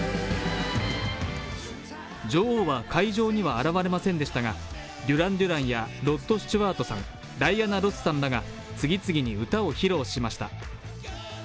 女王は会場には現れませんでしたがデュラン・デュランやロッド・スチュワートさん、ダイアナ・ロスさんらが次々に歌を披露しました。